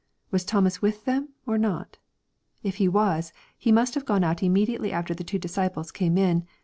Was Thomas with them or not ? If he was, he must have gone out immediately after the two disciples came in.